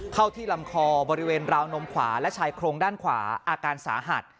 เข้าที่ลำคอบริเวณราวนมขวาและชายโครงด้านขวาอาการสาหัส